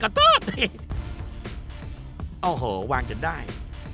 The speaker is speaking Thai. โอ้โหวางจนได้